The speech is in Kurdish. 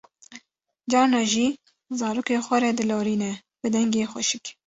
carna jî zarokê xwe re dilorîne bi dengê xweşik.